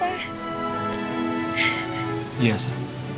aku istri luar biasa